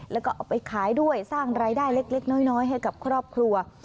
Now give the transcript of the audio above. แล้วก็เอาไปขายด้วยสร้างรายได้เล็กน้อยให้กับครอบครัว